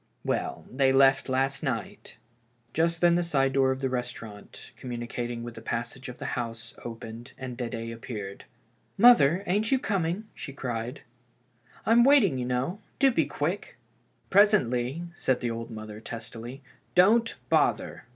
Well, they left last night." BACK FROM THE GRAVE. 277 Just then the side door of the restaurant communica ting with the passage of the house opened, and Cede appeared. " Mother, ain't you coming ?" she cried. " I'm waiting, you know ; do be quick." " Presently," said the mother, testily. " Don't bother."